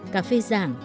cà phê giảng